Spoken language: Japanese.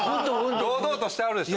堂々としてはるでしょ。